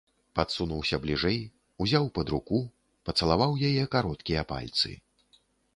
Падсунуўся бліжэй, узяў пад руку, пацалаваў яе кароткія пальцы.